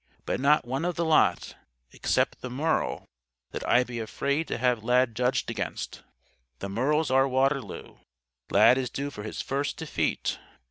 But not one of the lot, except the Merle, that I'd be afraid to have Lad judged against. The Merle's our Waterloo. Lad is due for his first defeat.